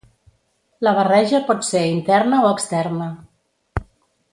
La barreja pot ser interna o externa.